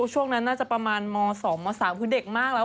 ช่วงนั้นน่าจะประมาณม๒ม๓คือเด็กมากแล้ว